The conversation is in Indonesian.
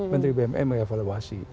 menteri bumn mengevaluasi